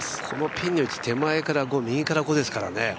このピンチの位置手前から、５、右から５ですからね。